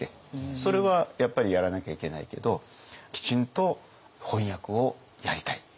それはやっぱりやらなきゃいけないけどきちんと翻訳をやりたい。